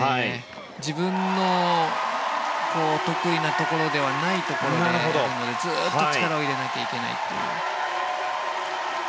自分の得意なところではないところなのでずっと力を入れないといけないという。